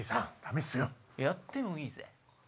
やってもいいぜ。